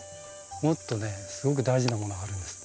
もっとねすごく大事なものがあるんです。